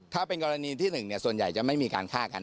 ถ้าเป็นกรณีที่๑ส่วนใหญ่จะไม่มีการฆ่ากัน